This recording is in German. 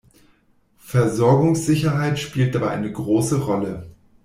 Versorgungssicherheit spielt dabei eine große Rolle.